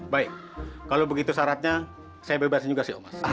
baik kalau begitu syaratnya saya bebasin juga si yomas